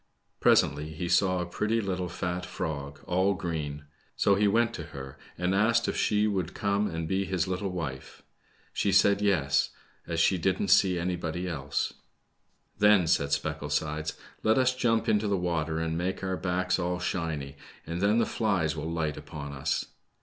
Presently he saw a pretty little fat frog, all green. So he went to her and asked if she would come and be his little wife. She said, Yes, as she didn't see anybody else." SPECKLESIDES. 105 Then said Specklesides, Let us jump into the water and make our backs all shiny, and then the flies will light upon us."